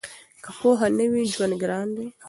که پوهه نه وي نو ژوند ګران دی.